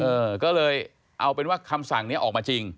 เออก็เลยเอาเป็นว่าคำสั่งนี้ออกมาจริง